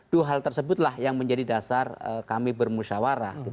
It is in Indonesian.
dua hal tersebutlah yang menjadi dasar kami bermusyawarah